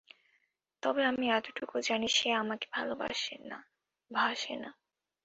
তবে আমি এটুকু জানি না সে আমাকে ভালোবাসে না ভাসে না।